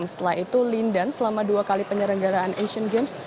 setelah itu lindan selama dua kali penyelenggaraan asian games